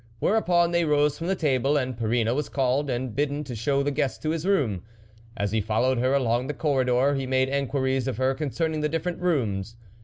Whereupon they rose from table, and Perrine was called and bidden to show the guest to his room. As he fol lowed her along the corridor, he made en quiries of her concerning the different rooms.